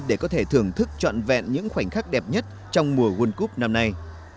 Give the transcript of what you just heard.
để có thể thưởng thức trọn vẹn những khoảnh khắc đẹp nhất trong mùa world cup năm nay